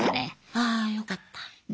ああよかった。